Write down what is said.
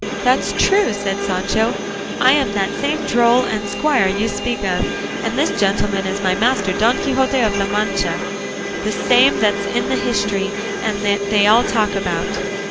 "That's true," said Sancho; "I am that same droll and squire you speak of, and this gentleman is my master Don Quixote of La Mancha, the same that's in the history and that they talk about."